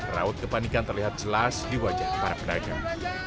raut kepanikan terlihat jelas di wajah para pedagang